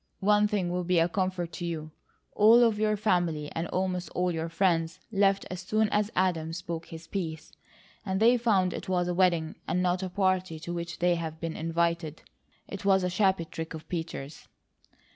One thing will be a comfort to you. All of your family, and almost all of your friends, left as soon as Adam spoke his piece, and they found it was a wedding and not a party to which they'd been invited. It was a shabby trick of Peters."